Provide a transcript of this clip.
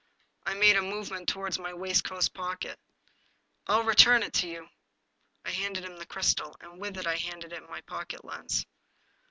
I made a move ment toward my waistcoat pocket. " I'll return it to you !" I handed him the crystal, and with it I handed him my pocket lens.